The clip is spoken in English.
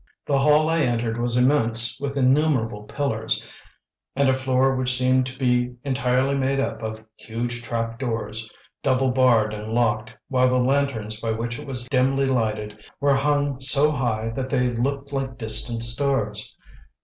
The hall I entered was immense, with innumerable pillars, and a floor which seemed to be entirely made up of huge trap doors, double barred and locked, while the lanterns by which it was dimly lighted were hung so high that they looked like distant stars.